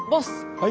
はい。